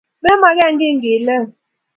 Memagekiy ngileel